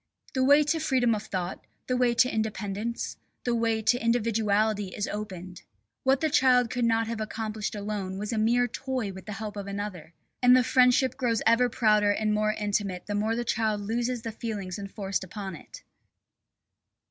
The way to freedom of thought, the way to independence, the way to individuality is opened. What the child could not have accomplished alone was a mere toy with the help of another. And the friendship grows ever prouder and more intimate the more the child loses the feelings enforced upon it.